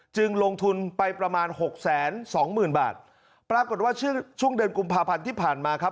จึงลงทุนไปประมาณ๖๒๐๐๐๐บาทปรากฏว่าช่วงเดิมกุมภาพันธ์ที่ผ่านมาครับ